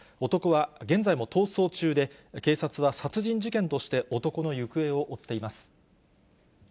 男は現在も逃走中で、警察は殺人事件として男の行方を追っています。